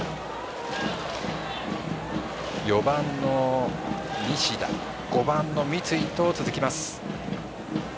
４番の西田５番の三井と続きます。